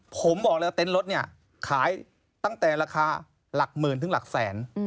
ผมบอกเลยว่าเต็นต์รถเนี่ยขายตั้งแต่ราคาหลักหมื่นถึงหลักแสน